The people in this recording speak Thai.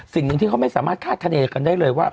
สิ่งที่เขาไม่สามารถคาดเทรกันได้เลยว่า